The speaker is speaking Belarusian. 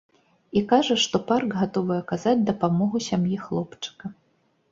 І кажа, што парк гатовы аказаць дапамогу сям'і хлопчыка.